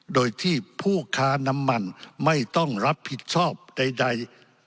โดยที่ผู้ค้าน้ำมันไม่ต้องรับผิดชอบใด